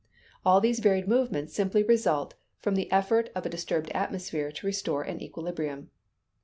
All these varied movements simply result from the effort of a disturbed atmosphere to restore an equilibrium.